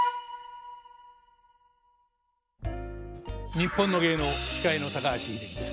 「にっぽんの芸能」司会の高橋英樹です。